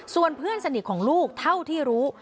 ส่วนเพื่อนสนิทของลูกเท่าที่รู้